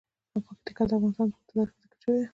پکتیکا د افغانستان په اوږده تاریخ کې ذکر شوی دی.